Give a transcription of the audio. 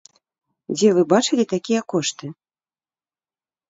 Дзе вы бачылі такія кошты?